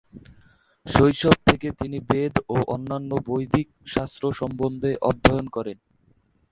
শৈশব থেকে তিনি বেদ ও অন্যান্য বৈদিক শাস্ত্র সম্বন্ধে অধ্যয়ন করেন।